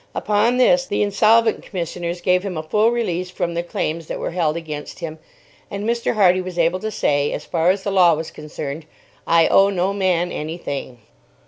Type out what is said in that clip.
Upon this, the insolvent commissioners gave him a full release from the claims that were held against him, and Mr. Hardy was able to say, as far as the law was concerned, "I owe no man any thing."